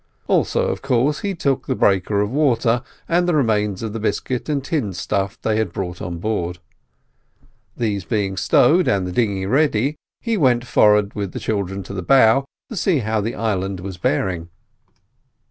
Also, of course, he took the breaker of water, and the remains of the biscuit and tinned stuff they had brought on board. These being stowed, and the dinghy ready, he went forward with the children to the bow, to see how the island was bearing.